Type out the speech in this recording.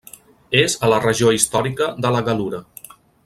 És a la regió històrica de la Gal·lura.